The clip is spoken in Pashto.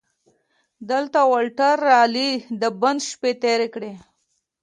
دلته والټر رالي د بند شپې تېرې کړې.